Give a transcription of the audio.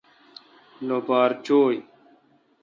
لوپار چوں